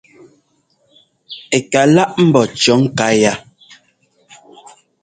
Ɛ ka láʼ ḿbó cʉ̈ŋká yá.